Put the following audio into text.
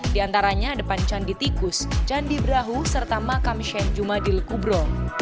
di antaranya depan candi tikus candi brahu serta makam sheikh jumadil kubro